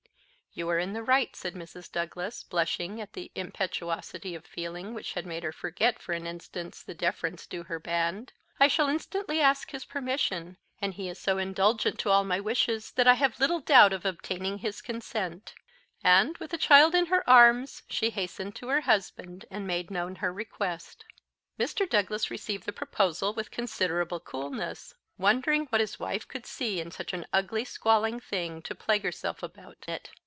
"You are in the right," said Mrs. Douglas, blushing at the impetuosity of feeling which had made her forget for an instant the deference due to her husband; "I shall instantly ask his permission, and he is so indulgent to all my wishes that I have little doubt of obtaining his consent;" and, with the child in her arms, she hastened to her husband, and made known her request. Mr. Douglas received the proposal with considerable coolness; wondering what his wife could see in such an ugly squalling thing to plague herself about it.